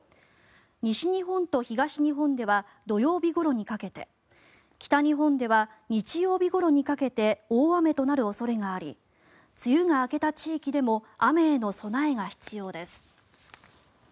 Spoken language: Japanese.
西日本と東日本では土曜日ごろにかけて北日本では日曜日ごろにかけて大雨となる恐れがあり梅雨が明けた地域でも雨への備えが必要です。